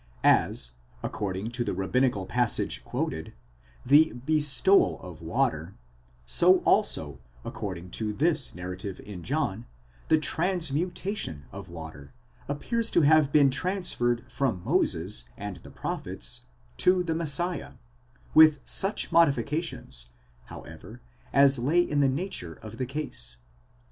As, according to the rabbinical passage quoted, the bestowal of water, so also, according to this narrative in John, the ¢ransmufa tion of water appears to have been transferred from Moses and the pro phets to the Messiah, with such modifications, however, as lay in the nature of the case.